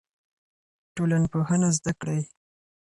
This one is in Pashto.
ټولنپوهنه زده کړئ.